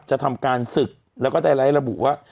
จะทำการศึกแล้วก็ได้ไลท์ระบุว่า